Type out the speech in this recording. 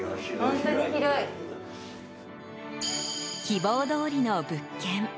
希望どおりの物件。